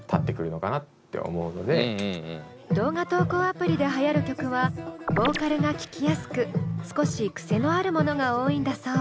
動画投稿アプリではやる曲はボーカルが聴きやすく少しクセのあるものが多いんだそう。